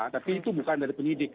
tapi itu bukan dari penyidik